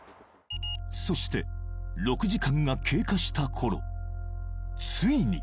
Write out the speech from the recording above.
そして６時間が経過したころついに